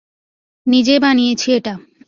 নিজেই বানিয়েছি এটা।